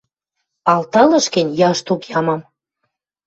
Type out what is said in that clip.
Алталыш гӹнь, яшток ямам.